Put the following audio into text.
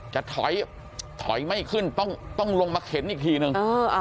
จะถอยถอยไม่ขึ้นต้องลงมาเข็นอีกทีนึง